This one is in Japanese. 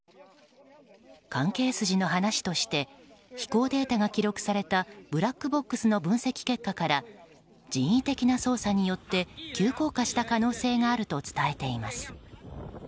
関係筋の話として飛行データが記録されたブラックボックスの分析結果から人為的な操作によって急降下した可能性があると伝えています。